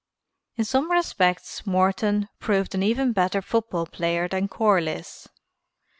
In some respects Morton proved an even better football player than Corliss.